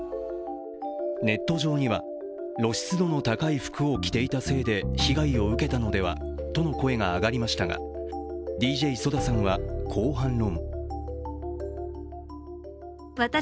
ネット上には露出度の高い服を着ていたせいで被害を受けたのではとの声が上がりましたが、ＤＪＳＯＤＡさんはこう反論。